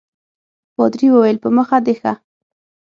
پادري وویل په مخه دي ښه.